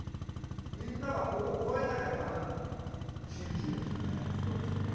みんながここ、超えなきゃだめなんだから信じようみたいなことですよね。